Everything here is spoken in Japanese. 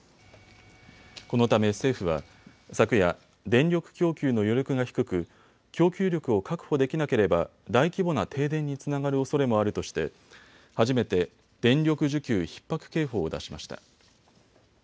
このため政府は昨夜、電力供給の余力が低く供給力を確保できなければ大規模な停電につながるおそれもあるとして初めて電力需給ひっ迫警報を出しました。